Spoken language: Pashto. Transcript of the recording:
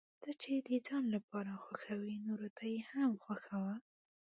څه چې د ځان لپاره خوښوې نورو ته یې هم خوښوه.